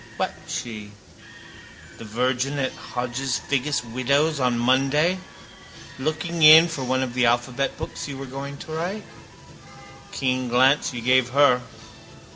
What she? The virgin at Hodges Figgis' window on Monday looking in for one of the alphabet books you were going to write. Keen glance you gave her.